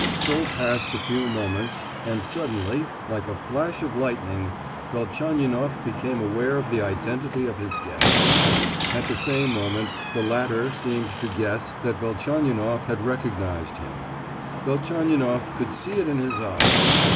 So passed a few moments, and suddenly, like a flash of lightning, Velchaninoff became aware of the identity of his guest. At the same moment the latter seemed to guess that Velchaninoff had recognised him. Velchaninoff could see it in his eyes.